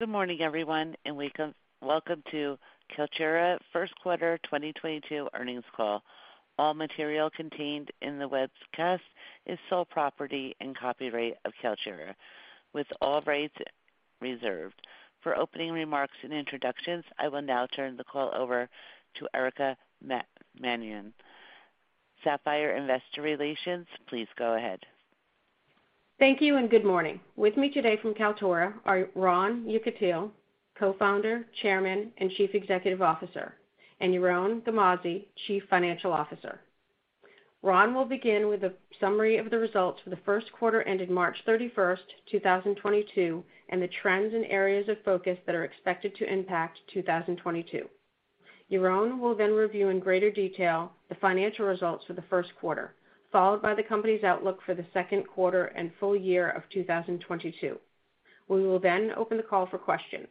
Good morning, everyone, and welcome to Kaltura First Quarter 2022 earnings call. All material contained in the webcast is sole property and copyright of Kaltura, with all rights reserved. For opening remarks and introductions, I will now turn the call over to Erica Mannion, Sapphire Investor Relations, please go ahead. Thank you, and good morning. With me today from Kaltura are Ron Yekutiel, Co-Founder, Chairman, and Chief Executive Officer, and Yaron Garmazi, Chief Financial Officer. Ron will begin with a summary of the results for the first quarter ended March 31st 2022, and the trends and areas of focus that are expected to impact 2022. Yaron will then review in greater detail the financial results for the first quarter, followed by the company's outlook for the second quarter and full year of 2022. We will then open the call for questions.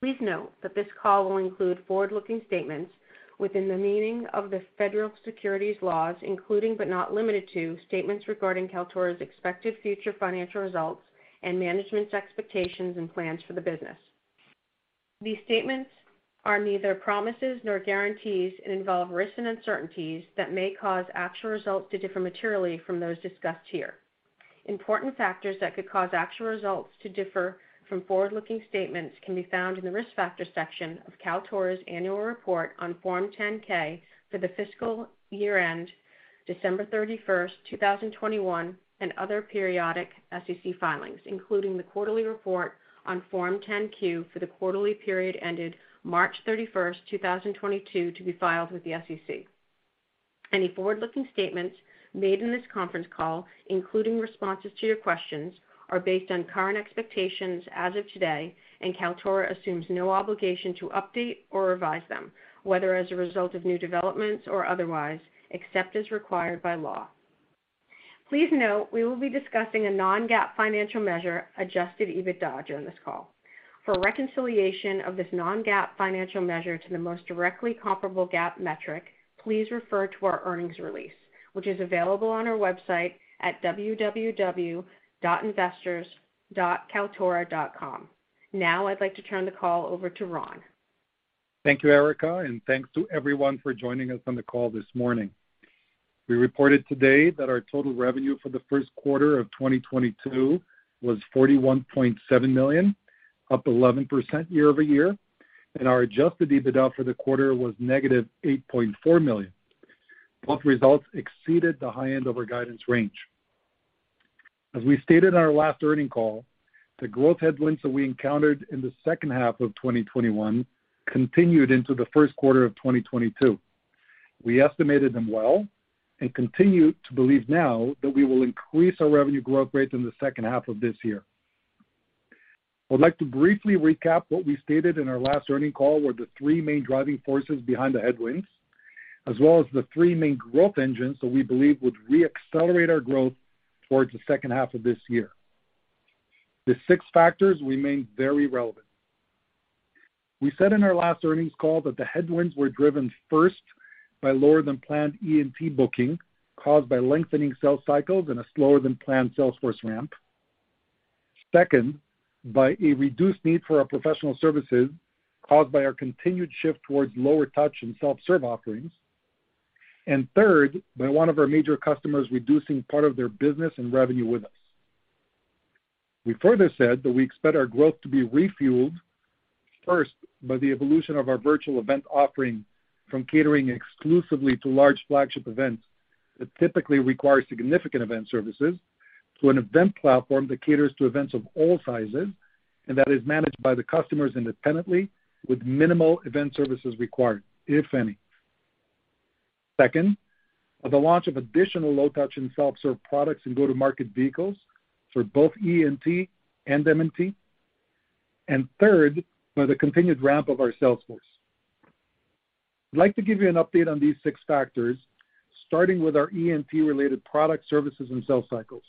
Please note that this call will include forward-looking statements within the meaning of the federal securities laws, including, but not limited to, statements regarding Kaltura's expected future financial results and management's expectations and plans for the business. These statements are neither promises nor guarantees, and involve risks and uncertainties that may cause actual results to differ materially from those discussed here. Important factors that could cause actual results to differ from forward-looking statements can be found in the Risk Factors section of Kaltura's annual report on Form 10-K for the fiscal year ended December 31st, 2021, and other periodic SEC filings, including the quarterly report on Form 10-Q for the quarterly period ended March 31st, 2022, to be filed with the SEC. Any forward-looking statements made in this conference call, including responses to your questions, are based on current expectations as of today, and Kaltura assumes no obligation to update or revise them, whether as a result of new developments or otherwise, except as required by law. Please note, we will be discussing a non-GAAP financial measure, adjusted EBITDA, during this call. For a reconciliation of this non-GAAP financial measure to the most directly comparable GAAP metric, please refer to our earnings release, which is available on our website at www.investors.kaltura.com. Now I'd like to turn the call over to Ron. Thank you, Erica, and thanks to everyone for joining us on the call this morning. We reported today that our total revenue for the first quarter of 2022 was $41.7 million, up 11% year-over-year, and our adjusted EBITDA for the quarter was -$8.4 million. Both results exceeded the high end of our guidance range. As we stated in our last earnings call, the growth headwinds that we encountered in the second half of 2021 continued into the first quarter of 2022. We estimated them well and continue to believe now that we will increase our revenue growth rates in the second half of this year. I would like to briefly recap what we stated in our last earnings call were the three main driving forces behind the headwinds, as well as the three main growth engines that we believe would re-accelerate our growth towards the second half of this year. The six factors remain very relevant. We said in our last earnings call that the headwinds were driven first by lower than planned E&T booking, caused by lengthening sales cycles and a slower than planned sales force ramp. Second, by a reduced need for our professional services, caused by our continued shift towards lower touch and self-serve offerings. Third, by one of our major customers reducing part of their business and revenue with us. We further said that we expect our growth to be refueled, first by the evolution of our virtual event offering from catering exclusively to large flagship events that typically require significant event services to an event platform that caters to events of all sizes, and that is managed by the customers independently with minimal event services required, if any. Second, the launch of additional low-touch and self-serve products and go-to-market vehicles for both E&T and M&T. Third, by the continued ramp of our sales force. I'd like to give you an update on these six factors, starting with our E&T-related product services and sales cycles.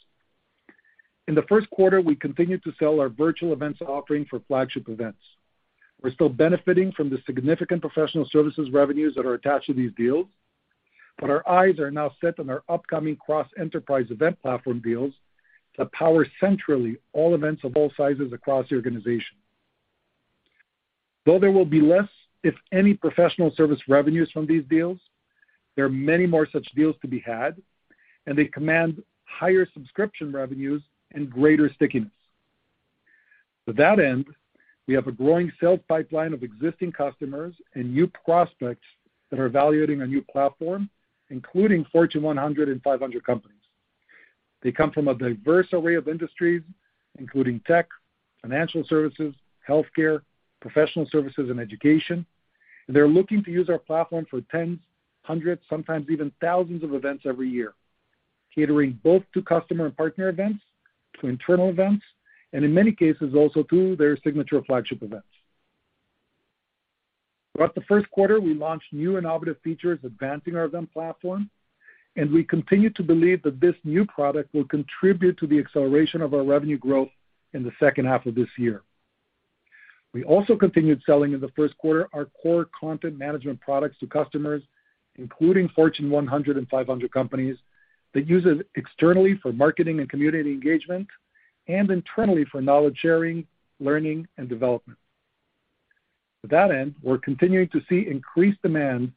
In the first quarter, we continued to sell our virtual events offering for flagship events. We're still benefiting from the significant professional services revenues that are attached to these deals, but our eyes are now set on our upcoming cross-enterprise event platform deals that power centrally all events of all sizes across the organization. Though there will be less, if any, professional service revenues from these deals, there are many more such deals to be had, and they command higher subscription revenues and greater stickiness. To that end, we have a growing sales pipeline of existing customers and new prospects that are evaluating our new platform, including Fortune 100 and 500 companies. They come from a diverse array of industries, including tech, financial services, healthcare, professional services, and education. They're looking to use our platform for tens, hundreds, sometimes even thousands of events every year, catering both to customer and partner events, to internal events, and in many cases, also to their signature flagship events. Throughout the first quarter, we launched new innovative features advancing our event platform, and we continue to believe that this new product will contribute to the acceleration of our revenue growth in the second half of this year. We also continued selling in the first quarter our core content management products to customers, including Fortune 100 and 500 companies that use it externally for marketing and community engagement, and internally for knowledge sharing, learning, and development. To that end, we're continuing to see increased demand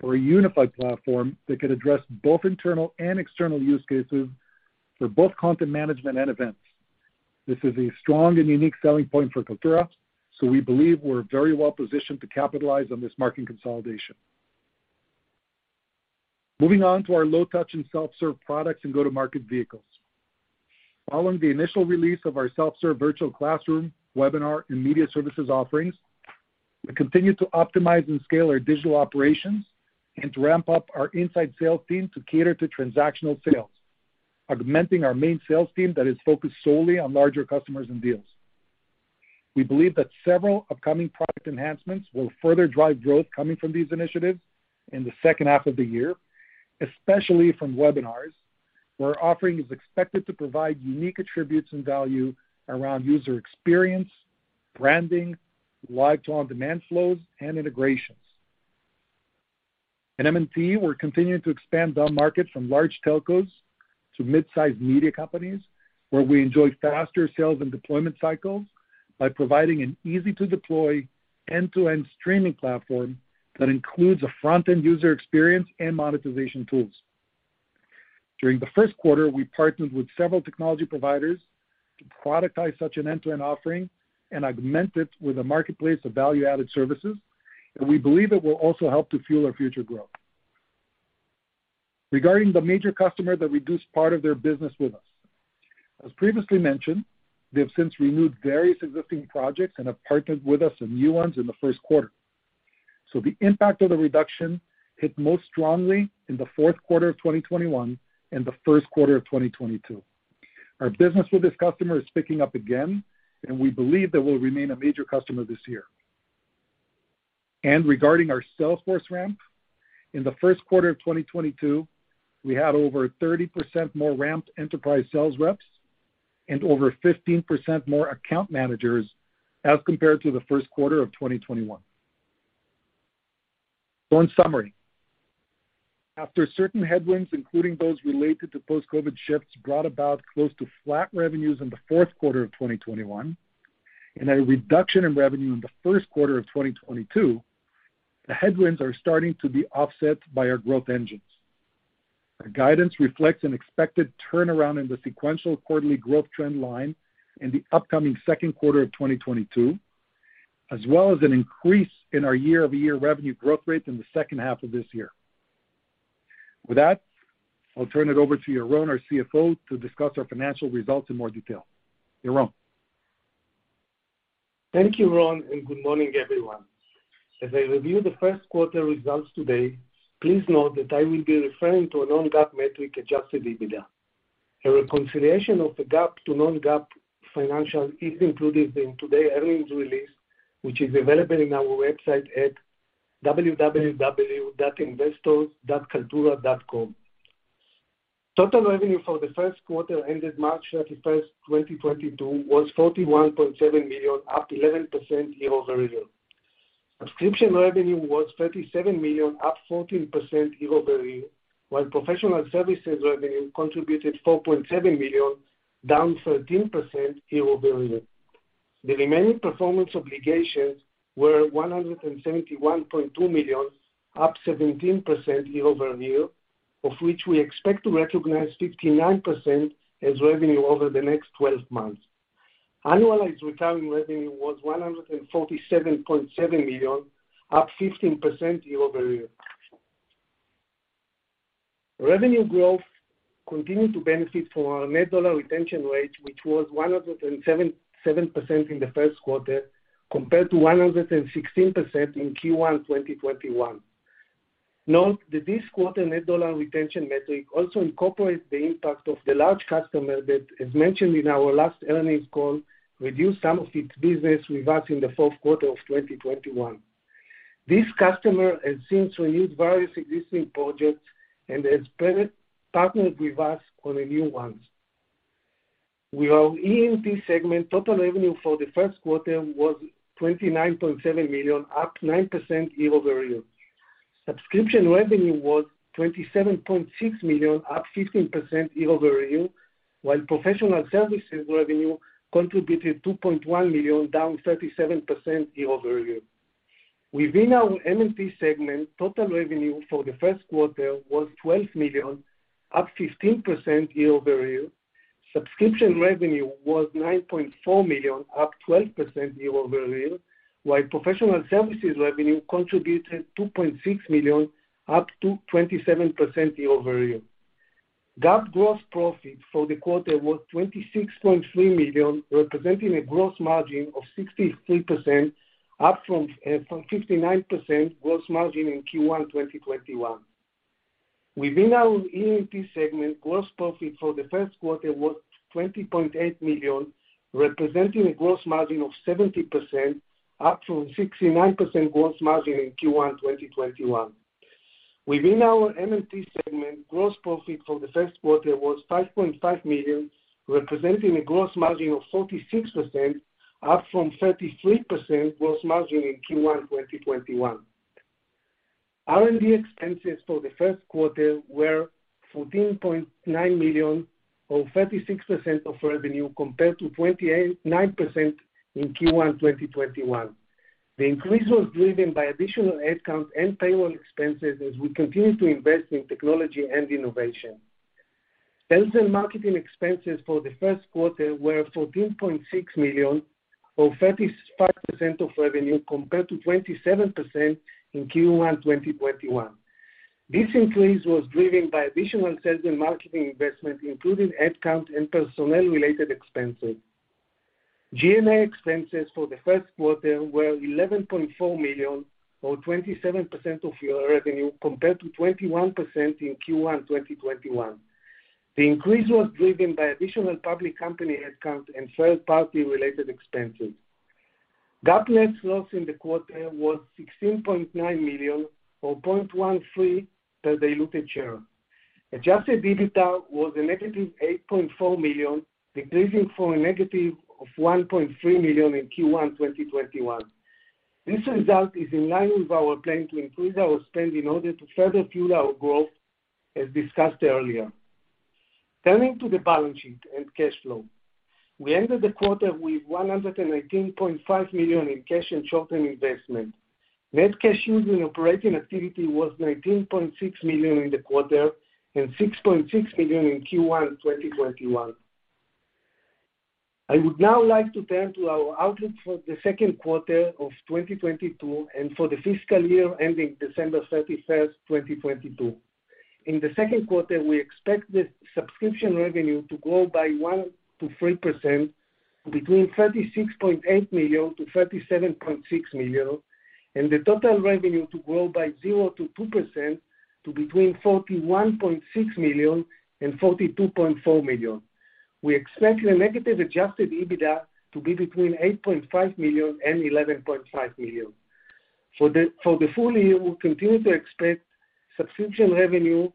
for a unified platform that could address both internal and external use cases for both content management and events. This is a strong and unique selling point for Kaltura, so we believe we're very well positioned to capitalize on this market consolidation. Moving on to our low-touch and self-serve products and go-to-market vehicles. Following the initial release of our self-serve virtual classroom, webinar, and media services offerings, we continue to optimize and scale our digital operations and to ramp up our inside sales team to cater to transactional sales, augmenting our main sales team that is focused solely on larger customers and deals. We believe that several upcoming product enhancements will further drive growth coming from these initiatives in the second half of the year, especially from webinars, where our offering is expected to provide unique attributes and value around user experience, branding, live-to-on-demand flows, and integrations. In M&T, we're continuing to expand downmarket from large telcos to mid-sized media companies, where we enjoy faster sales and deployment cycles by providing an easy-to-deploy, end-to-end streaming platform that includes a front-end user experience and monetization tools. During the first quarter, we partnered with several technology providers to productize such an end-to-end offering and augment it with a marketplace of value-added services that we believe it will also help to fuel our future growth. Regarding the major customer that reduced part of their business with us. As previously mentioned, they have since renewed various existing projects and have partnered with us on new ones in the first quarter. The impact of the reduction hit most strongly in the fourth quarter of 2021 and the first quarter of 2022. Our business with this customer is picking up again, and we believe they will remain a major customer this year. Regarding our Salesforce ramp, in the first quarter of 2022, we had over 30% more ramped enterprise sales reps and over 15% more account managers as compared to the first quarter of 2021. In summary, after certain headwinds, including those related to post-COVID shifts, brought about close to flat revenues in the fourth quarter of 2021 and a reduction in revenue in the first quarter of 2022, the headwinds are starting to be offset by our growth engines. Our guidance reflects an expected turnaround in the sequential quarterly growth trend line in the upcoming second quarter of 2022, as well as an increase in our year-over-year revenue growth rate in the second half of this year. With that, I'll turn it over to Yaron, our CFO, to discuss our financial results in more detail. Yaron? Thank you, Ron, and good morning, everyone. As I review the first quarter results today, please note that I will be referring to a non-GAAP metric, adjusted EBITDA. A reconciliation of the GAAP to non-GAAP financials is included in today's earnings release, which is available on our website at www.investors.kaltura.com. Total revenue for the first quarter ended March 31st, 2022 was $41.7 million, up 11% year-over-year. Subscription revenue was $37 million, up 14% year-over-year, while professional services revenue contributed $4.7 million, down 13% year-over-year. The remaining performance obligations were $171.2 million, up 17% year-over-year, of which we expect to recognize 59% as revenue over the next twelve months. Annualized recurring revenue was $147.7 million, up 15% year-over-year. Revenue growth continued to benefit from our net dollar retention rate, which was 177% in the first quarter compared to 116% in Q1 2021. Note that this quarter net dollar retention metric also incorporates the impact of the large customer that, as mentioned in our last earnings call, reduced some of its business with us in the fourth quarter of 2021. This customer has since renewed various existing projects and has partnered with us on the new ones. With our E&T segment, total revenue for the first quarter was $29.7 million, up 9% year-over-year. Subscription revenue was $27.6 million, up 15% year-over-year, while professional services revenue contributed $2.1 million, down 37% year-over-year. Within our M&T segment, total revenue for the first quarter was $12 million, up 15% year-over-year. Subscription revenue was $9.4 million, up 12% year-over-year, while professional services revenue contributed $2.6 million, up to 27% year-over-year. GAAP gross profit for the quarter was $26.3 million, representing a gross margin of 63%, up from 59% gross margin in Q1 2021. Within our E&T segment, gross profit for the first quarter was $20.8 million, representing a gross margin of 70%, up from 69% gross margin in Q1 2021. Within our M&T segment, gross profit for the first quarter was $5.5 million, representing a gross margin of 46%, up from 33% gross margin in Q1 2021. R&D expenses for the first quarter were $14.9 million, or 36% of revenue, compared to 29% in Q1 2021. The increase was driven by additional headcount and payroll expenses as we continue to invest in technology and innovation. Sales and marketing expenses for the first quarter were $14.6 million, or 35% of revenue, compared to 27% in Q1 2021. This increase was driven by additional sales and marketing investment, including headcount and personnel-related expenses. G&A expenses for the first quarter were $11.4 million or 27% of our revenue, compared to 21% in Q1 2021. The increase was driven by additional public company headcount and third-party related expenses. GAAP net loss in the quarter was $16.9 million or $0.13 per diluted share. Adjusted EBITDA was -$8.4 million, decreasing from -$1.3 million in Q1 2021. This result is in line with our plan to increase our spend in order to further fuel our growth, as discussed earlier. Turning to the balance sheet and cash flow. We ended the quarter with $118.5 million in cash and short-term investment. Net cash used in operating activity was $19.6 million in the quarter and $6.6 million in Q1 2021. I would now like to turn to our outlook for the second quarter of 2022 and for the fiscal year ending December 31st, 2022. In the second quarter, we expect the subscription revenue to grow by 1%-3% between $36.8 million-$37.6 million, and the total revenue to grow by 0%-2% to between $41.6 million-$42.4 million. We expect the negative adjusted EBITDA to be between $8.5 million-$11.5 million. For the full year, we continue to expect subscription revenue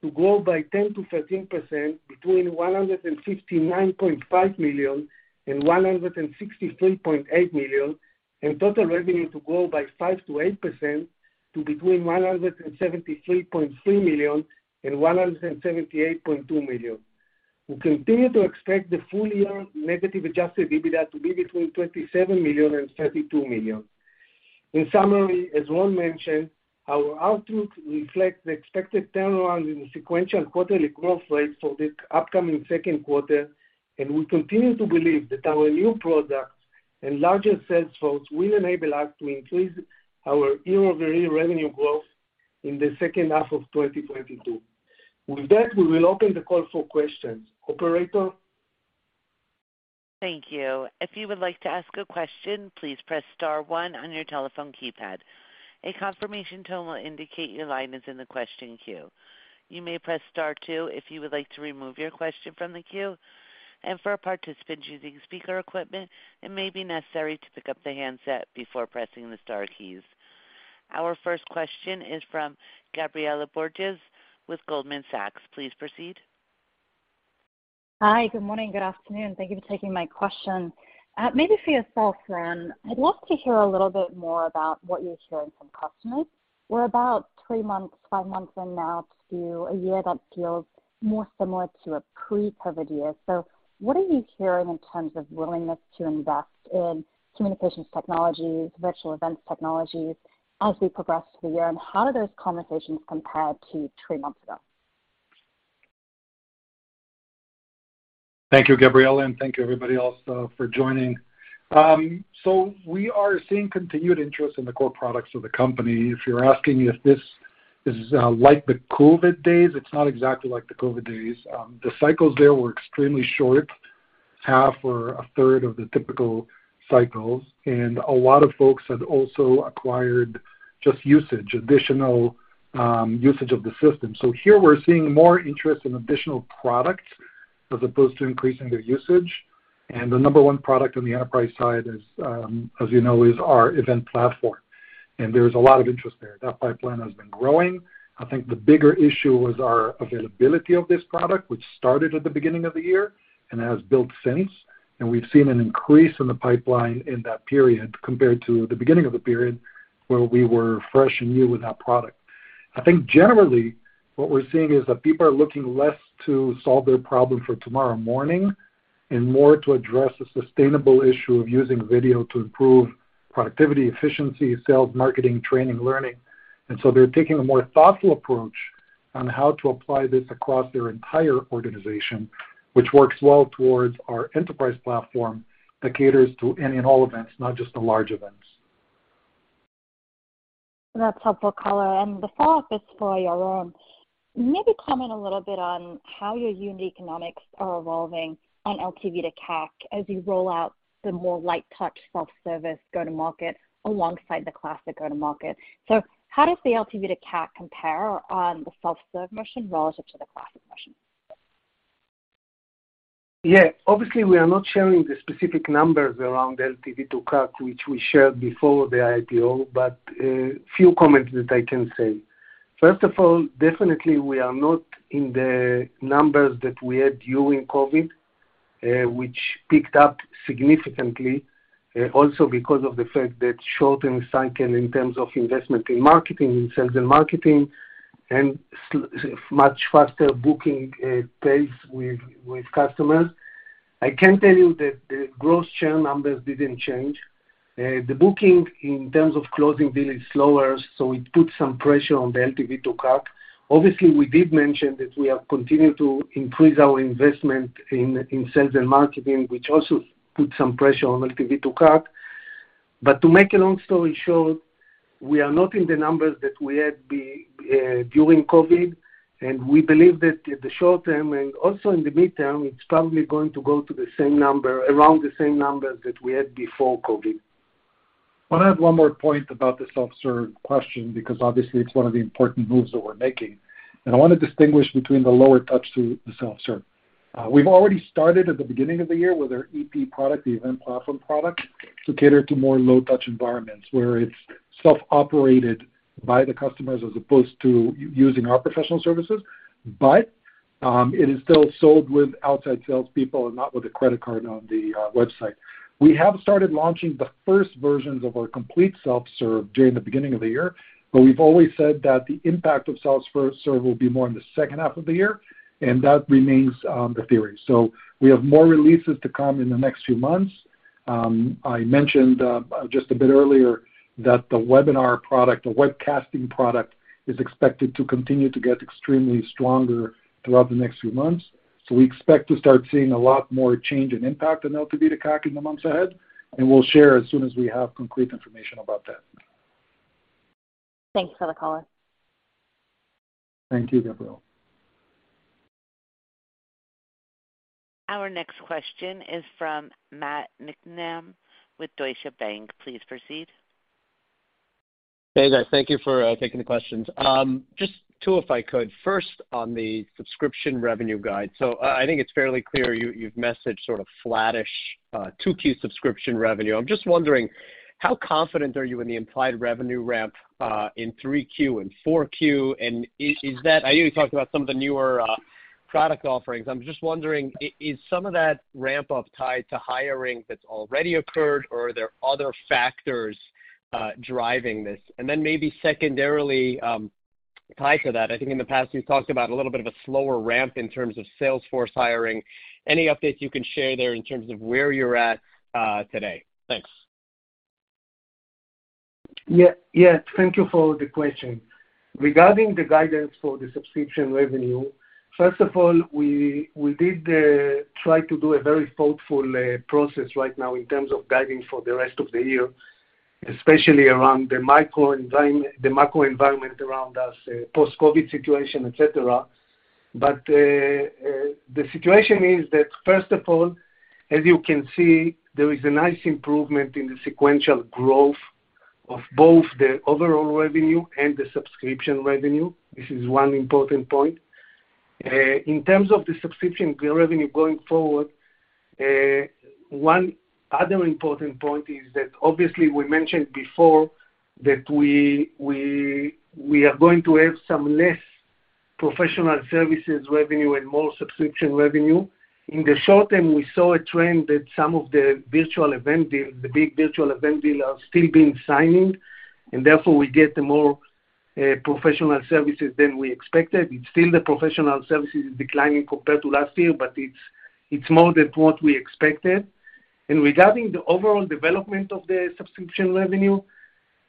to grow by 10%-13% between $159.5 million-$163.8 million, and total revenue to grow by 5%-8% to between $173.3 million-$178.2 million. We continue to expect the full year negative adjusted EBITDA to be between $27 million-$32 million. In summary, as Ron mentioned, our outlook reflects the expected turnaround in the sequential quarterly growth rates for the upcoming second quarter, and we continue to believe that our new products and larger sales force will enable us to increase our year-over-year revenue growth in the second half of 2022. With that, we will open the call for questions. Operator? Thank you. If you would like to ask a question, please press star one on your telephone keypad. A confirmation tone will indicate your line is in the question queue. You may press star two if you would like to remove your question from the queue. For participants using speaker equipment, it may be necessary to pick up the handset before pressing the star keys. Our first question is from Gabriela Borges with Goldman Sachs. Please proceed. Hi, good morning, good afternoon. Thank you for taking my question. Maybe for yourself, Ron, I'd love to hear a little bit more about what you're hearing from customers. We're about three months, five months in now to a year that feels more similar to a pre-COVID year. What are you hearing in terms of willingness to invest in communications technologies, virtual events technologies as we progress through the year? How do those conversations compare to three months ago? Thank you, Gabriela, and thank you everybody else for joining. We are seeing continued interest in the core products of the company. If you're asking if this is like the COVID days, it's not exactly like the COVID days. The cycles there were extremely short, half or a third of the typical cycles, and a lot of folks had also acquired just usage, additional usage of the system. Here we're seeing more interest in additional products as opposed to increasing their usage. The number one product on the enterprise side is, as you know, our Events Platform. There's a lot of interest there. That pipeline has been growing. I think the bigger issue was our availability of this product, which started at the beginning of the year and has built since. We've seen an increase in the pipeline in that period compared to the beginning of the period, where we were fresh and new in that product. I think generally, what we're seeing is that people are looking less to solve their problem for tomorrow morning and more to address the sustainable issue of using video to improve productivity, efficiency, sales, marketing, training, learning. They're taking a more thoughtful approach on how to apply this across their entire organization, which works well towards our enterprise platform that caters to any and all events, not just the large events. That's helpful color. The follow-up is for Yaron. Maybe comment a little bit on how your unit economics are evolving on LTV to CAC as you roll out the more light touch self-service go to market alongside the classic go to market. How does the LTV to CAC compare on the self-serve machine relative to the classic machine? Obviously, we are not sharing the specific numbers around LTV to CAC, which we shared before the IPO. Few comments that I can say. First of all, definitely, we are not in the numbers that we had during COVID, which picked up significantly, also because of the fact that shorter and sunk in terms of investment in marketing, in sales and marketing and so much faster booking pace with customers. I can tell you that the gross churn numbers didn't change. The booking in terms of closing deal is slower, so it puts some pressure on the LTV to CAC. Obviously, we did mention that we have continued to increase our investment in sales and marketing, which also put some pressure on LTV to CAC. To make a long story short, we are not in the numbers that we had during COVID, and we believe that in the short term and also in the midterm, it's probably going to go to the same number, around the same numbers that we had before COVID. Well, I have one more point about the self-serve question because obviously it's one of the important moves that we're making. I wanna distinguish between the lower touch to the self-serve. We've already started at the beginning of the year with our EP product, the event platform product, to cater to more low touch environments where it's self-operated by the customers as opposed to using our professional services. It is still sold with outside sales people and not with a credit card on the website. We have started launching the first versions of our complete self-serve during the beginning of the year, but we've always said that the impact of self-serve will be more in the second half of the year, and that remains the theory. We have more releases to come in the next few months. I mentioned just a bit earlier that the webinar product, the webcasting product, is expected to continue to get extremely stronger throughout the next few months. We expect to start seeing a lot more change and impact in LTV to CAC in the months ahead, and we'll share as soon as we have complete information about that. Thanks for the color. Thank you, Gabrielle. Our next question is from Matt Niknam with Deutsche Bank. Please proceed. Hey, guys. Thank you for taking the questions. Just two, if I could. First on the subscription revenue guide. So I think it's fairly clear you've messaged sort of flattish 2Q subscription revenue. I'm just wondering how confident are you in the implied revenue ramp in 3Q and 4Q? And is that. I hear you talk about some of the newer product offerings. I'm just wondering, is some of that ramp up tied to hiring that's already occurred, or are there other factors driving this? And then maybe secondarily, tied to that, I think in the past you've talked about a little bit of a slower ramp in terms of sales force hiring. Any updates you can share there in terms of where you're at today? Thanks. Yeah. Yes, thank you for the question. Regarding the guidance for the subscription revenue, first of all, we did try to do a very thoughtful process right now in terms of guiding for the rest of the year, especially around the macro environment, the macro environment around us, post-COVID situation, et cetera. The situation is that, first of all, as you can see, there is a nice improvement in the sequential growth of both the overall revenue and the subscription revenue. This is one important point. In terms of the subscription revenue going forward, one other important point is that obviously we mentioned before that we are going to have some less professional services revenue and more subscription revenue. In the short term, we saw a trend that some of the virtual event deals, the big virtual event deals are still being signed, and therefore we get more professional services than we expected. It's still the professional services is declining compared to last year, but it's more than what we expected. Regarding the overall development of the subscription revenue,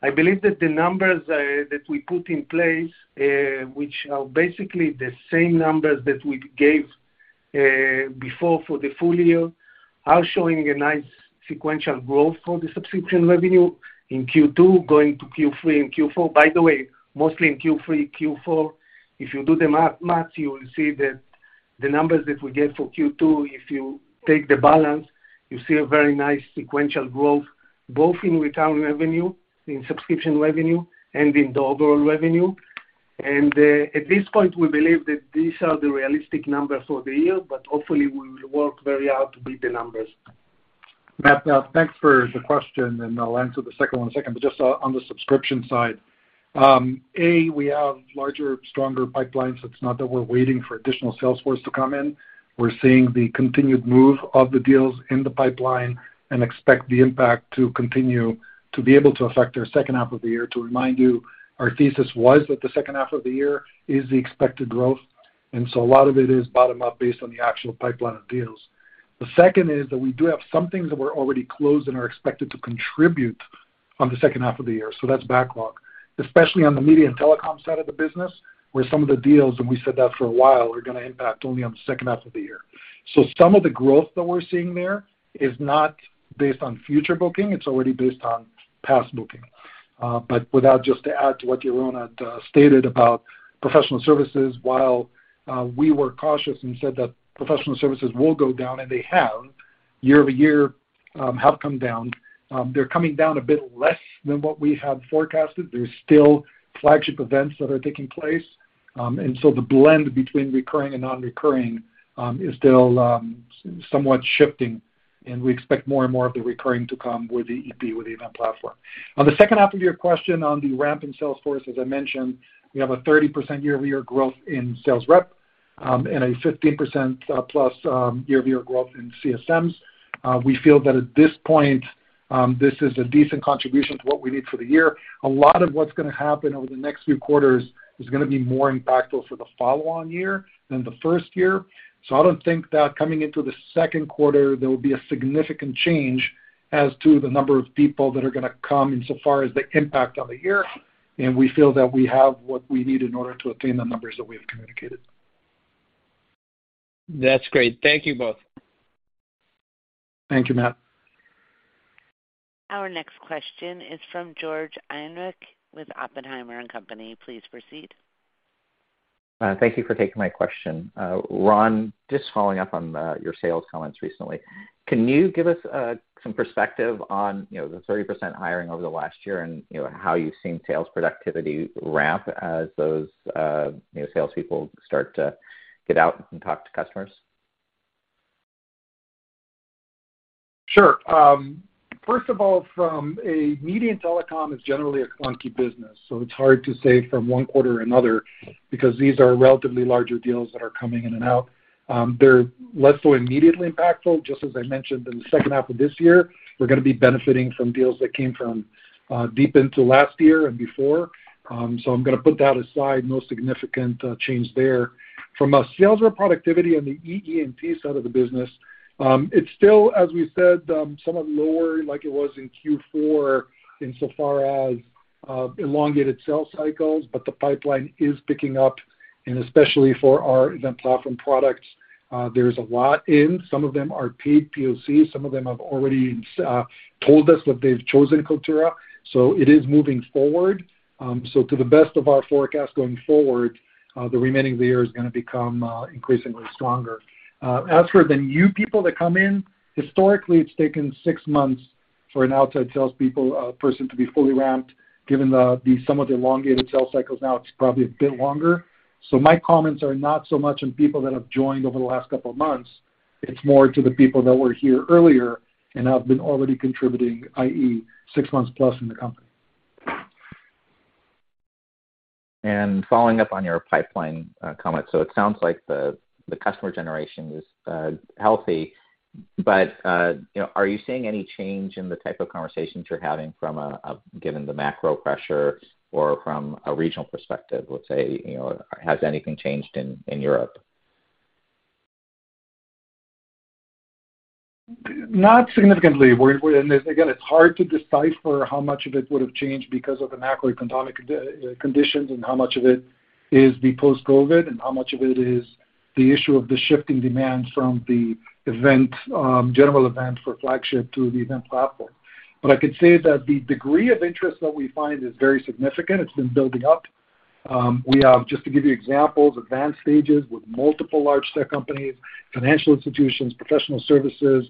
I believe that the numbers that we put in place, which are basically the same numbers that we gave before for the full year, are showing a nice sequential growth for the subscription revenue in Q2 going to Q3 and Q4. By the way, mostly in Q3, Q4, if you do the math, you will see that the numbers that we get for Q2, if you take the balance, you see a very nice sequential growth, both in recurring revenue, in subscription revenue and in the overall revenue. At this point, we believe that these are the realistic numbers for the year, but hopefully we will work very hard to beat the numbers. Matt, thanks for the question, and I'll answer the second one in a second. Just on the subscription side, A, we have larger, stronger pipelines. It's not that we're waiting for additional sales force to come in. We're seeing the continued move of the deals in the pipeline and expect the impact to continue to be able to affect our second half of the year. To remind you, our thesis was that the second half of the year is the expected growth, and so a lot of it is bottom-up based on the actual pipeline of deals. The second is that we do have some things that were already closed and are expected to contribute in the second half of the year, so that's backlog, especially on the media and telecom side of the business, where some of the deals, and we said that for a while, are gonna impact only in the second half of the year. Some of the growth that we're seeing there is not based on future booking, it's already based on past booking. But just to add to what Yaron had stated about professional services, while we were cautious and said that professional services will go down, and they have come down year-over-year. They're coming down a bit less than what we have forecasted. There's still flagship events that are taking place. The blend between recurring and non-recurring is still somewhat shifting, and we expect more and more of the recurring to come with the EP, with the event platform. On the second half of your question on the ramp in Salesforce, as I mentioned, we have a 30% year-over-year growth in sales rep, and a 15% plus year-over-year growth in CSMs. We feel that at this point, this is a decent contribution to what we need for the year. A lot of what's gonna happen over the next few quarters is gonna be more impactful for the follow-on year than the first year. I don't think that coming into the second quarter, there will be a significant change as to the number of people that are gonna come in so far as the impact on the year. We feel that we have what we need in order to attain the numbers that we have communicated. That's great. Thank you both. Thank you, Matt. Our next question is from George Iwanyc with Oppenheimer & Co. Please proceed. Thank you for taking my question. Ron, just following up on your sales comments recently. Can you give us some perspective on, you know, the 30% hiring over the last year and, you know, how you've seen sales productivity ramp as those, you know, salespeople start to get out and talk to customers? Sure. First of all, from a media & telecom is generally a clunky business, so it's hard to say from one quarter or another because these are relatively larger deals that are coming in and out. They're less so immediately impactful. Just as I mentioned in the second half of this year, we're gonna be benefiting from deals that came from deep into last year and before. So I'm gonna put that aside. No significant change there. From a sales rep productivity and the EE&T side of the business, it's still, as we said, somewhat lower like it was in Q4 insofar as elongated sales cycles, but the pipeline is picking up, and especially for our Events Platform products, there's a lot in. Some of them are paid POCs. Some of them have already told us that they've chosen Kaltura, so it is moving forward. To the best of our forecast going forward, the remaining of the year is gonna become increasingly stronger. As for the new people that come in, historically, it's taken six months for an outside salesperson to be fully ramped. Given the somewhat elongated sales cycles now, it's probably a bit longer. My comments are not so much on people that have joined over the last couple of months. It's more to the people that were here earlier and have been already contributing, i.e., six months plus in the company. Following up on your pipeline comment, so it sounds like the customer generation is healthy. But you know, are you seeing any change in the type of conversations you're having from a given the macro pressure or from a regional perspective? Let's say, you know, has anything changed in Europe? Not significantly. We're. Again, it's hard to decipher how much of it would have changed because of the macroeconomic conditions and how much of it is the post-COVID and how much of it is the issue of the shifting demand from the event, general event for flagship to the event platform. I could say that the degree of interest that we find is very significant. It's been building up. We have, just to give you examples, advanced stages with multiple large tech companies, financial institutions, professional services.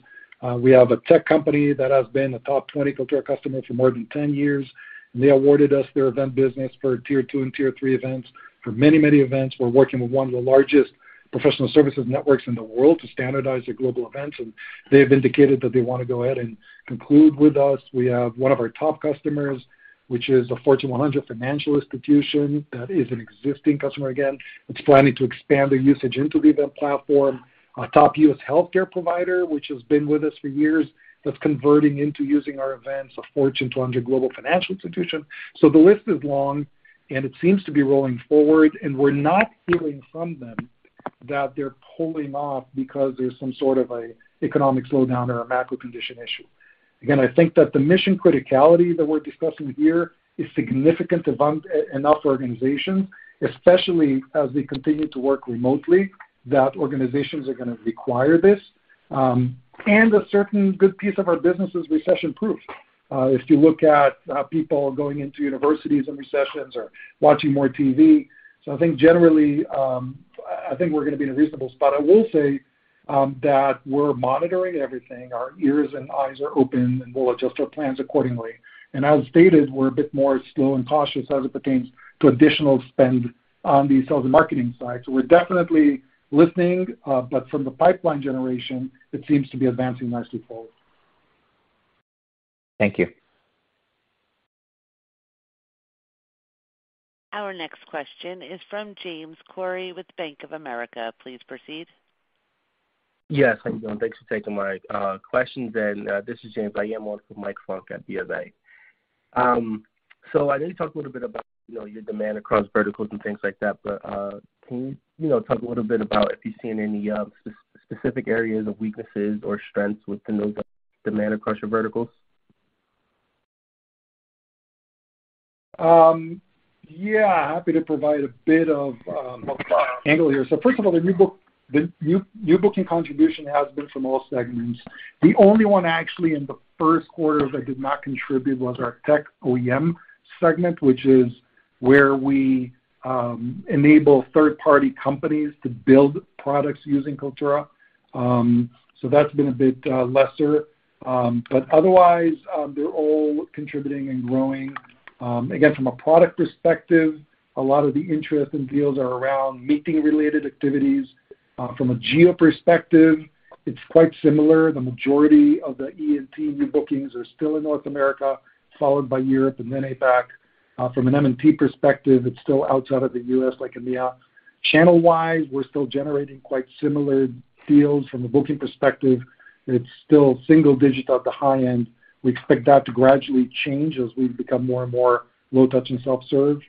We have a tech company that has been a top 20 Kaltura customer for more than 10 years. They awarded us their event business for tier two and tier three events. For many, many events, we're working with one of the largest professional services networks in the world to standardize their global events, and they have indicated that they wanna go ahead and conclude with us. We have one of our top customers, which is a Fortune 100 financial institution that is an existing customer, again. It's planning to expand their usage into the event platform. A top U.S. healthcare provider, which has been with us for years, that's converting into using our events, a Fortune 100 global financial institution. The list is long, and it seems to be rolling forward. We're not hearing from them that they're pulling off because there's some sort of a economic slowdown or a macro condition issue. I think that the mission criticality that we're discussing here is significant among enough organizations, especially as we continue to work remotely. That organizations are gonna require this. A certain good piece of our business is recession-proof. If you look at people going into universities in recessions or watching more TV. I think generally I think we're gonna be in a reasonable spot. I will say that we're monitoring everything. Our ears and eyes are open, and we'll adjust our plans accordingly. As stated, we're a bit more slow and cautious as it pertains to additional spend on the sales and marketing side. We're definitely listening, but from the pipeline generation, it seems to be advancing nicely forward. Thank you. Our next question is from James Corey with Bank of America. Please proceed. Yes, how you doing? Thanks for taking my questions. This is James. I am on for Mike Funk at BofA. So I know you talked a little bit about, you know, your demand across verticals and things like that, but can you know, talk a little bit about if you've seen any specific areas of weaknesses or strengths within those demand across your verticals? Yeah. Happy to provide a bit of angle here. First of all, the new booking contribution has been from all segments. The only one actually in the first quarter that did not contribute was our tech OEM segment, which is where we enable third-party companies to build products using Kaltura. That's been a bit lesser. Otherwise, they're all contributing and growing. Again, from a product perspective, a lot of the interest and deals are around meeting-related activities. From a geo perspective, it's quite similar. The majority of the E&T new bookings are still in North America, followed by Europe and then APAC. From an M&T perspective, it's still outside of the U.S., like EMEA. Channel-wise, we're still generating quite similar deals from a booking perspective. It's still single digit at the high end. We expect that to gradually change as we become more and more low touch and self-serve.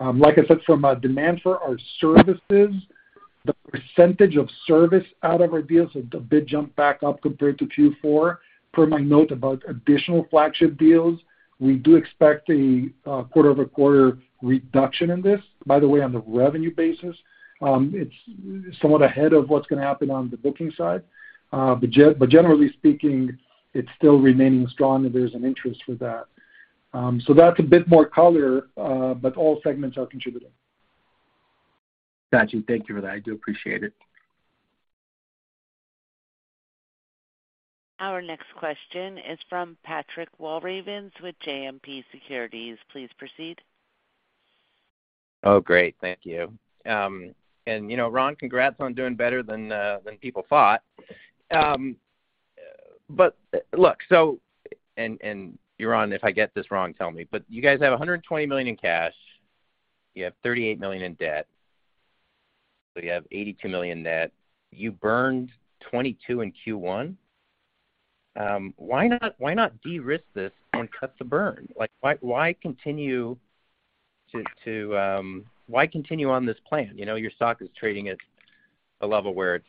Like I said, from a demand for our services, the percentage of service out of our deals has a bit jumped back up compared to Q4. Per my note about additional flagship deals, we do expect a quarter-over-quarter reduction in this. By the way, on the revenue basis, it's somewhat ahead of what's gonna happen on the booking side. But generally speaking, it's still remaining strong, and there's an interest for that. That's a bit more color, but all segments are contributing. Got you. Thank you for that. I do appreciate it. Our next question is from Patrick Walravens with JMP Securities. Please proceed. Oh, great. Thank you. You know, Ron, congrats on doing better than people thought. Look, Yaron, if I get this wrong, tell me, but you guys have $120 million in cash. You have $38 million in debt. You have $82 million net. You burned $22 million in Q1. Why not de-risk this and cut the burn? Like, why continue on this plan? You know, your stock is trading at a level where it's,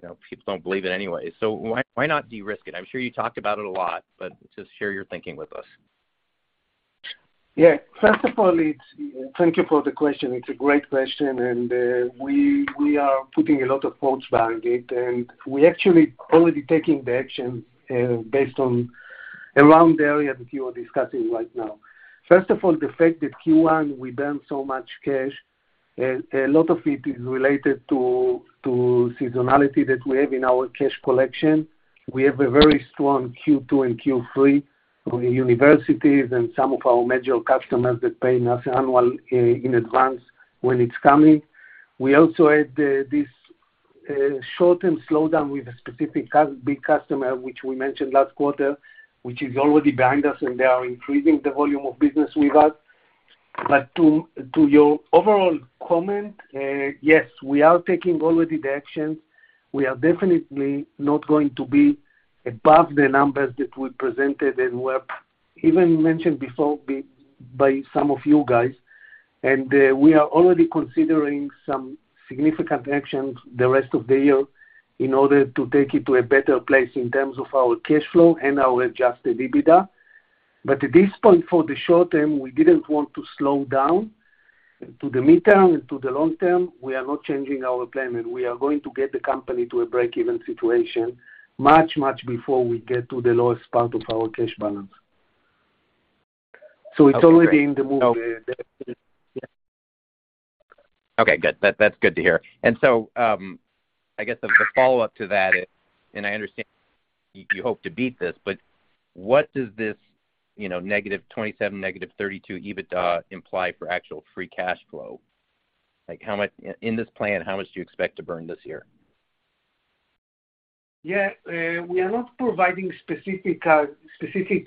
you know, people don't believe it anyway. Why not de-risk it? I'm sure you talked about it a lot, but just share your thinking with us. Yeah. First of all, thank you for the question. It's a great question, and we are putting a lot of thoughts behind it, and we actually already taking the action based around the area that you are discussing right now. First of all, the fact that Q1 we burned so much cash, a lot of it is related to seasonality that we have in our cash collection. We have a very strong Q2 and Q3 for the universities and some of our major customers that pay us annually in advance when it's coming. We also had this short-term slowdown with a specific customer, which we mentioned last quarter, which is already behind us, and they are increasing the volume of business with us. To your overall comment, yes, we are taking already the action. We are definitely not going to be above the numbers that we presented and were even mentioned before by some of you guys. We are already considering some significant actions the rest of the year in order to take it to a better place in terms of our cash flow and our adjusted EBITDA. At this point, for the short term, we didn't want to slow down. To the midterm and to the long term, we are not changing our plan, and we are going to get the company to a break-even situation much, much before we get to the lowest part of our cash balance. It's already in the move. Okay, great. Yeah. Okay, good. That's good to hear. I guess the follow-up to that, and I understand you hope to beat this, but what does this, you know, -27, -32 EBITDA imply for actual free cash flow? Like, how much in this plan do you expect to burn this year? Yeah. We are not providing specific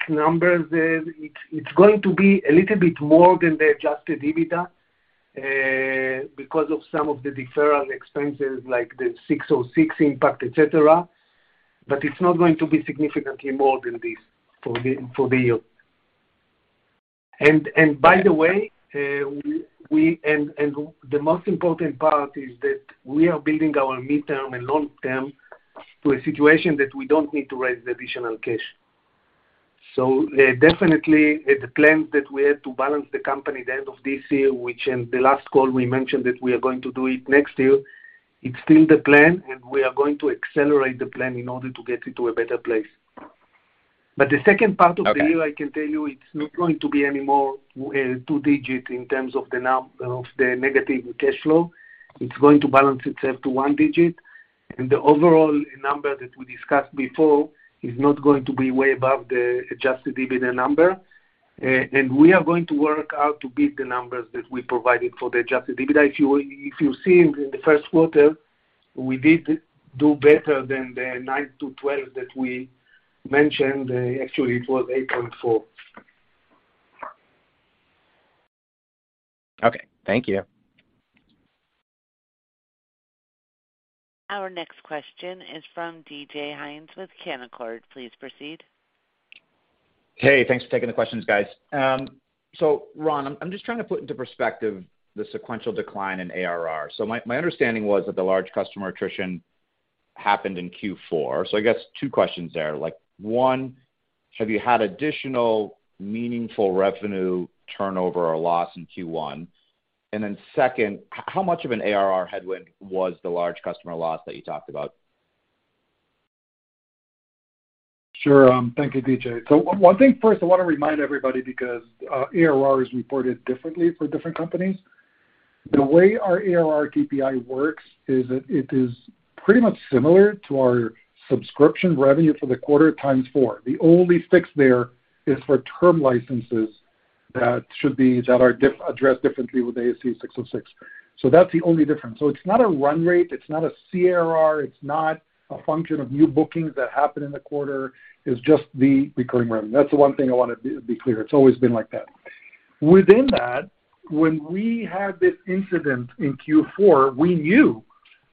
numbers there. It's going to be a little bit more than the adjusted EBITDA because of some of the deferral expenses like the ASC 606 impact, et cetera. But it's not going to be significantly more than this for the year. By the way, the most important part is that we are building our midterm and long term to a situation that we don't need to raise additional cash. Definitely the plans that we had to balance the company at the end of this year, which in the last call we mentioned that we are going to do it next year, it's still the plan, and we are going to accelerate the plan in order to get it to a better place. The second part of the year, I can tell you it's not going to be any more two-digit in terms of the negative cash flow. It's going to balance itself to one-digit, and the overall number that we discussed before is not going to be way above the adjusted EBITDA number. We are going to work out to beat the numbers that we provided for the adjusted EBITDA. If you've seen in the first quarter, we did do better than the nine to 12 that we mentioned. Actually, it was 8.4. Okay. Thank you. Our next question is from DJ Hynes with Canaccord. Please proceed. Hey, thanks for taking the questions, guys. Ron, I'm just trying to put into perspective the sequential decline in ARR. My understanding was that the large customer attrition happened in Q4. I guess two questions there, like, one, have you had additional meaningful revenue turnover or loss in Q1? Second, how much of an ARR headwind was the large customer loss that you talked about? Sure. Thank you, DJ. One thing first, I wanna remind everybody because ARR is reported differently for different companies. The way our ARR KPI works is that it is pretty much similar to our subscription revenue for the quarter times four. The only fix there is for term licenses that are addressed differently with ASC 606. That's the only difference. It's not a run rate, it's not a CRR, it's not a function of new bookings that happen in the quarter, it's just the recurring revenue. That's the one thing I wanna be clear. It's always been like that. Within that, when we had this incident in Q4, we knew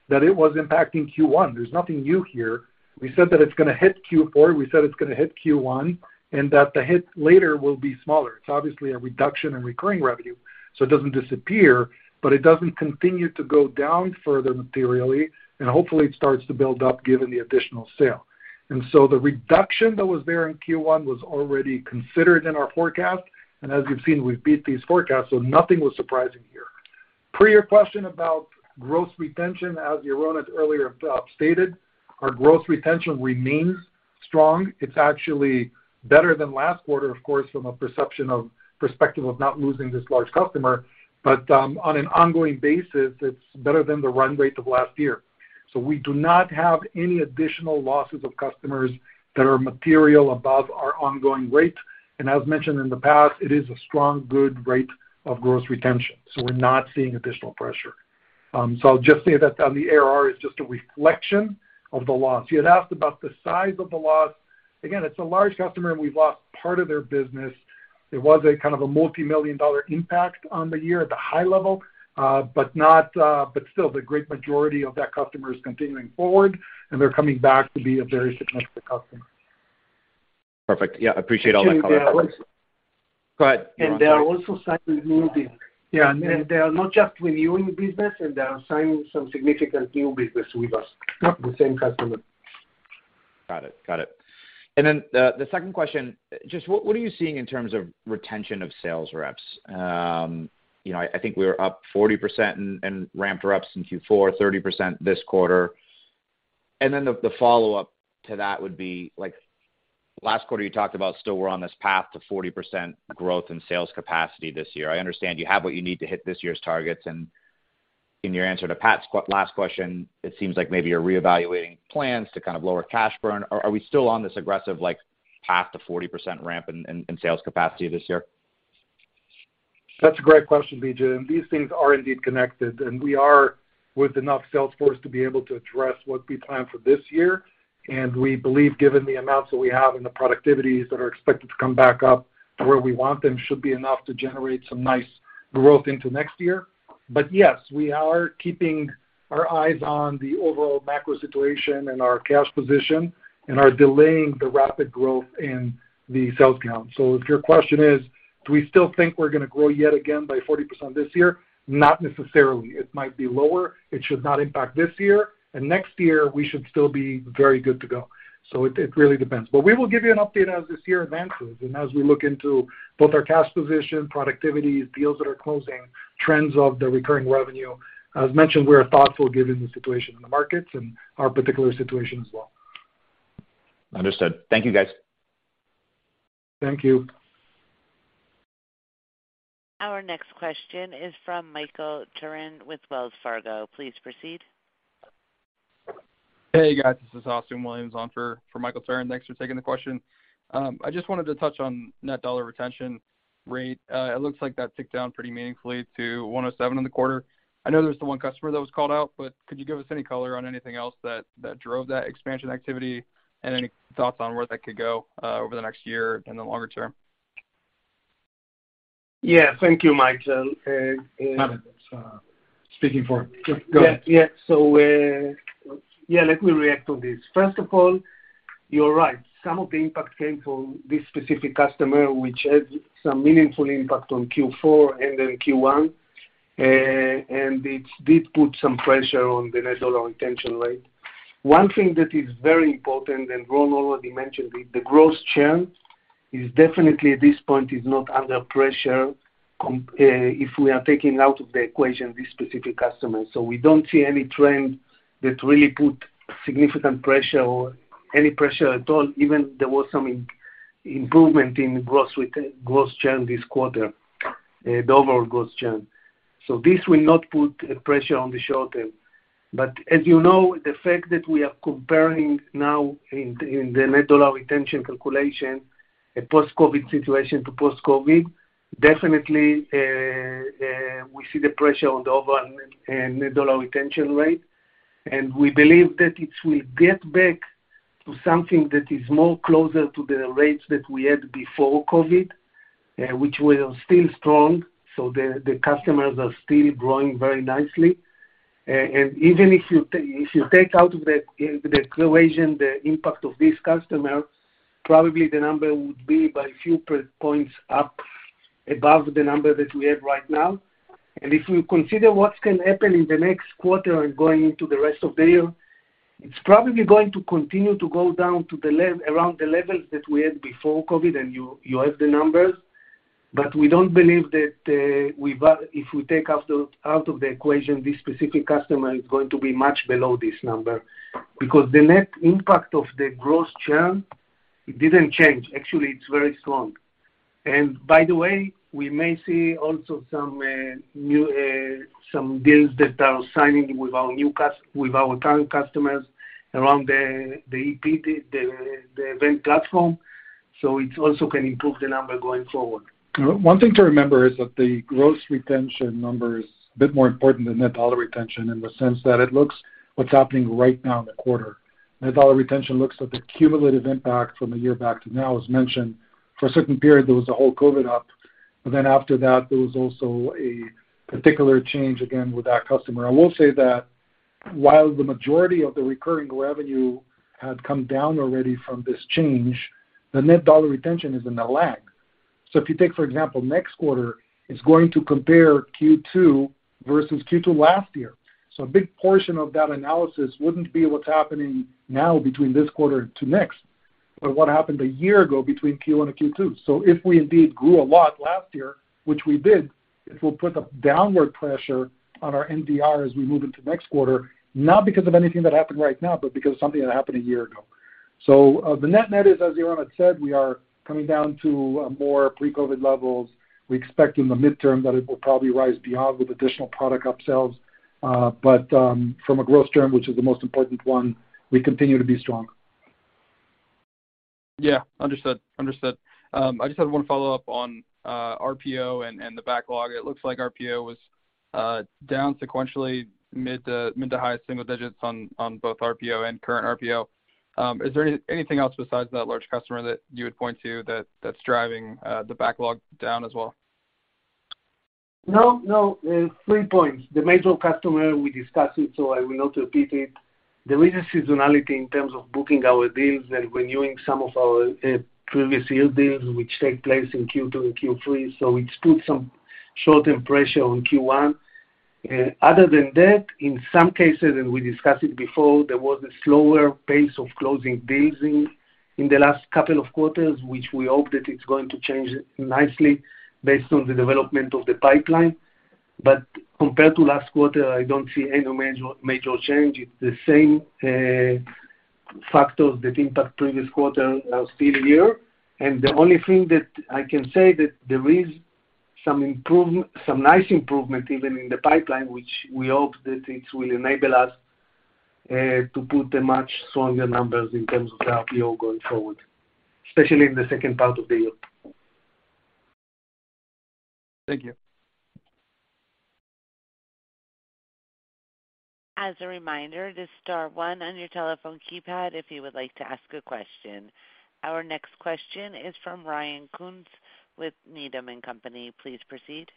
that it was impacting Q1. There's nothing new here. We said that it's gonna hit Q4. We said it's gonna hit Q1, and that the hit later will be smaller. It's obviously a reduction in recurring revenue, so it doesn't disappear, but it doesn't continue to go down further materially, and hopefully it starts to build up given the additional sale. The reduction that was there in Q1 was already considered in our forecast. As you've seen, we've beat these forecasts, so nothing was surprising here. Per your question about gross retention, as Yaron has earlier stated, our gross retention remains strong. It's actually better than last quarter, of course, from a perspective of not losing this large customer. On an ongoing basis, it's better than the run rate of last year. We do not have any additional losses of customers that are material above our ongoing rate. As mentioned in the past, it is a strong good rate of gross retention, so we're not seeing additional pressure. I'll just say that. On the ARR is just a reflection of the loss. You had asked about the size of the loss. Again, it's a large customer, and we've lost part of their business. It was a kind of a multi-million-dollar impact on the year at the high level, but not, but still the great majority of that customer is continuing forward, and they're coming back to be a very significant customer. Perfect. Yeah, appreciate all that color. Actually, they are also. Go ahead, Yaron. They are also signing new business. Yeah, they are not just renewing business, they are signing some significant new business with us, the same customer. Got it. Then the second question, just what are you seeing in terms of retention of sales reps? You know, I think we were up 40% in ramped reps in Q4, 30% this quarter. Then the follow-up to that would be, like, last quarter, you talked about still we're on this path to 40% growth in sales capacity this year. I understand you have what you need to hit this year's targets, and in your answer to pats last question, it seems like maybe you're reevaluating plans to kind of lower cash burn. Are we still on this aggressive, like, path to 40% ramp in sales capacity this year? That's a great question, DJ. These things are indeed connected, and we are with enough sales force to be able to address what we plan for this year. We believe, given the amounts that we have and the productivities that are expected to come back up to where we want them should be enough to generate some nice growth into next year. Yes, we are keeping our eyes on the overall macro situation and our cash position and are delaying the rapid growth in the sales count. If your question is, do we still think we're gonna grow yet again by 40% this year? Not necessarily. It might be lower. It should not impact this year. Next year, we should still be very good to go. It really depends. We will give you an update as this year advances and as we look into both our cash position, productivity, deals that are closing, trends of the recurring revenue. As mentioned, we are thoughtful given the situation in the markets and our particular situation as well. Understood. Thank you, guys. Thank you. Our next question is from Michael Turrin with Wells Fargo. Please proceed. Hey, guys. This is Austin Williams on for Michael Turrin. Thanks for taking the question. I just wanted to touch on net dollar retention rate. It looks like that ticked down pretty meaningfully to 107% in the quarter. I know there's the one customer that was called out, but could you give us any color on anything else that drove that expansion activity? Any thoughts on where that could go over the next year in the longer term? Yeah, thank you, Michael. Got it. Speaking for. Go ahead. Yeah, let me react to this. First of all, you're right. Some of the impact came from this specific customer, which had some meaningful impact on Q4 and then Q1. It did put some pressure on the net dollar retention rate. One thing that is very important, Ron already mentioned it, the gross churn is definitely at this point not under pressure if we are taking out of the equation this specific customer. We don't see any trend that really put significant pressure or any pressure at all, even there was some improvement in gross churn this quarter, the overall gross churn. This will not put pressure on the short term. As you know, the fact that we are comparing now in the net dollar retention calculation a post-COVID situation to post-COVID, definitely, we see the pressure on the overall net dollar retention rate. We believe that it will get back to something that is more closer to the rates that we had before COVID, which were still strong, so the customers are still growing very nicely. Even if you take out of the equation the impact of this customer, probably the number would be by a few points up above the number that we have right now. If you consider what can happen in the next quarter and going into the rest of the year, it's probably going to continue to go down to around the levels that we had before COVID, and you have the numbers. We don't believe that if we take out of the equation, this specific customer is going to be much below this number because the net impact of the gross churn didn't change. Actually, it's very strong. By the way, we may see also some new some deals that are signing with our new with our current customers around the, the EP and the event platform, so it also can improve the number going forward. One thing to remember is that the gross retention number is a bit more important than net dollar retention in the sense that it looks what's happening right now in the quarter. Net dollar retention looks at the cumulative impact from a year back to now. As mentioned, for a certain period, there was a whole COVID up, but then after that, there was also a particular change again with that customer. I will say that while the majority of the recurring revenue had come down already from this change, the net dollar retention is in the lag. So if you take, for example, next quarter, it's going to compare Q2 versus Q2 last year. A big portion of that analysis wouldn't be what's happening now between this quarter to next, but what happened a year ago between Q1 and Q2. If we indeed grew a lot last year, which we did, it will put the downward pressure on our NDR as we move into next quarter, not because of anything that happened right now, but because of something that happened a year ago. The net-net is, as Yaron had said, we are coming down to more pre-COVID levels. We expect in the midterm that it will probably rise beyond with additional product upsells. From a growth term, which is the most important one, we continue to be strong. Understood. I just had one follow-up on RPO and the backlog. It looks like RPO was down sequentially mid to high single digits on both RPO and current RPO. Is there anything else besides that large customer that you would point to that's driving the backlog down as well? No, no. Three points. The major customer, we discussed it, so I will not repeat it. There is a seasonality in terms of booking our deals and renewing some of our previous year deals which take place in Q2 and Q3, so it put some short-term pressure on Q1. Other than that, in some cases, and we discussed it before, there was a slower pace of closing deals in the last couple of quarters, which we hope that it's going to change nicely based on the development of the pipeline. Compared to last quarter, I don't see any major change. It's the same factors that impact previous quarter are still here. The only thing that I can say that there is some improvement, some nice improvement even in the pipeline, which we hope that it will enable us to put a much stronger numbers in terms of the RPO going forward, especially in the second part of the year. Thank you. As a reminder to star one on your telephone keypad if you would like to ask a question. Our next question is from Ryan Koontz with Needham & Company. Please proceed.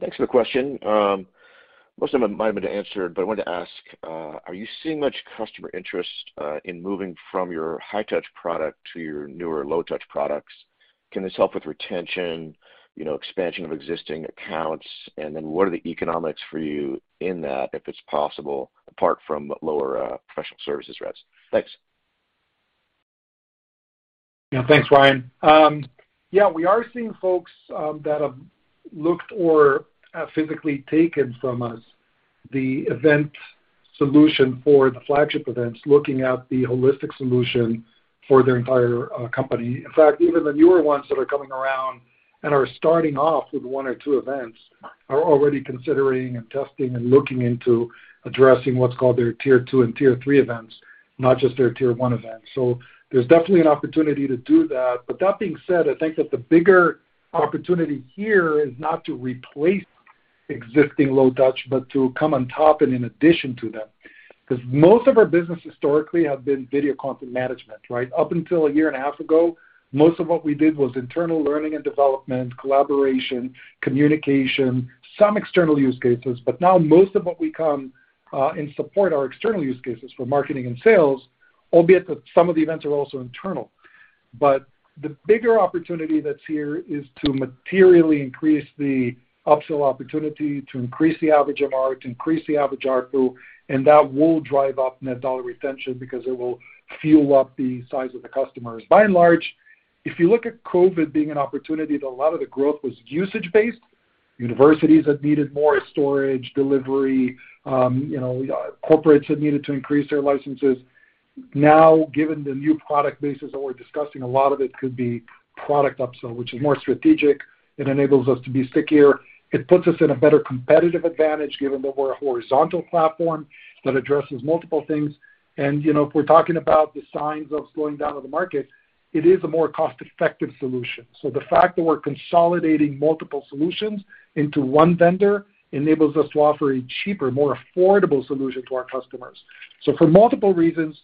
Thanks for the question. Most of them might have been answered, but I wanted to ask, are you seeing much customer interest, in moving from your high touch product to your newer low touch products? Can this help with retention, you know, expansion of existing accounts? What are the economics for you in that, if it's possible, apart from lower, professional services reps? Thanks. Yeah, thanks, Ryan. We are seeing folks that have looked or have physically taken from us the event solution for the flagship events, looking at the holistic solution for their entire company. In fact, even the newer ones that are coming around and are starting off with one or two events are already considering and testing and looking into addressing what's called their tier two and tier three events, not just their tier one events. There's definitely an opportunity to do that. That being said, I think that the bigger opportunity here is not to replace existing low touch, but to come on top and in addition to them. Most of our business historically have been video content management, right? Up until a year and a half ago, most of what we did was internal learning and development, collaboration, communication, some external use cases. Now most of what we do and support are external use cases for marketing and sales, albeit that some of the events are also internal. The bigger opportunity that's here is to materially increase the upsell opportunity, to increase the average MRR, to increase the average ARPU, and that will drive up net dollar retention because it will fuel up the size of the customers. By and large, if you look at COVID being an opportunity that a lot of the growth was usage-based, universities that needed more storage, delivery, you know, corporates that needed to increase their licenses. Now, given the new product basis that we're discussing, a lot of it could be product upsell, which is more strategic. It enables us to be stickier. It puts us in a better competitive advantage given that we're a horizontal platform that addresses multiple things. You know, if we're talking about the signs of slowing down of the market, it is a more cost-effective solution. The fact that we're consolidating multiple solutions into one vendor enables us to offer a cheaper, more affordable solution to our customers. For multiple reasons,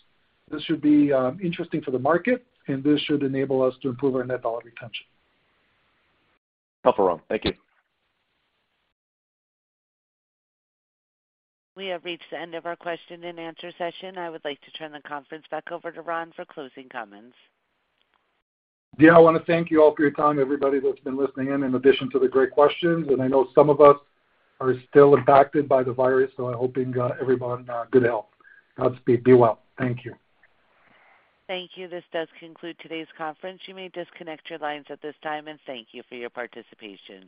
this should be interesting for the market, and this should enable us to improve our net dollar retention. No problem. Thank you. We have reached the end of our question and answer session. I would like to turn the conference back over to Ron for closing comments. Yeah, I wanna thank you all for your time, everybody that's been listening in addition to the great questions. I know some of us are still impacted by the virus, so I'm hoping everyone good health. Godspeed. Be well. Thank you. Thank you. This does conclude today's conference. You may disconnect your lines at this time, and thank you for your participation.